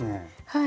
はい。